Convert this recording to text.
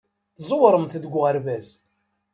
Tẓewremt deg uɣerbaz.